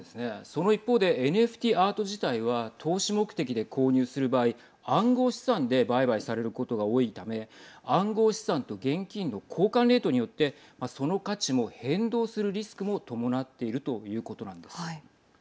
その一方でＮＦＴアート自体は投資目的で購入する場合暗号資産で売買されることが多いため暗号資産と現金の交換レートによってその価値も変動するリスクも伴っているということなんです。